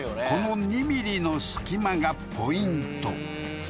この２ｍｍの隙間がポイント